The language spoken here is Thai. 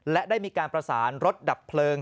และได้มีการประสานรถดับเพลิง